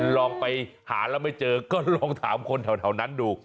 ลองไปหาแล้วไม่เจอก็ลองถามคนแถวนั้นดู